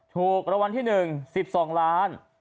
ถูกรางวัลที่๑๑๒ล้าน